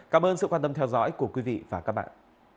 cảm ơn sự quan tâm theo dõi của quý vị và các bạn